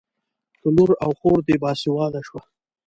که لور او خور دې باسواده شوه.